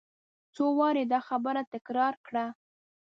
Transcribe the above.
څو وارې یې دا خبره تکرار کړه.